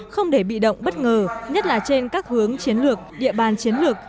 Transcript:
không để bị động bất ngờ nhất là trên các hướng chiến lược địa bàn chiến lược